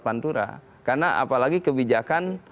pantura karena apalagi kebijakan